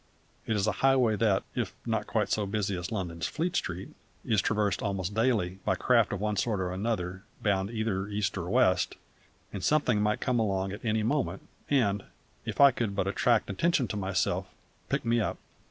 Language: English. It is a highway that, if not quite so busy as London's Fleet Street, is traversed almost daily by craft of one sort or another, bound either east or west; and something might come along at any moment and, if I could but attract attention to myself, pick me up.